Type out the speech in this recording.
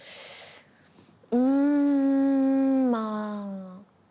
うんまあ。